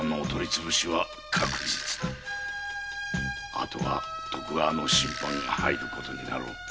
あとは徳川の親藩が入る事になろう。